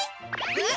えっ？